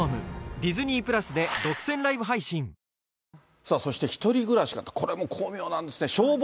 さあ、そして１人暮らし、これも巧妙なんですね。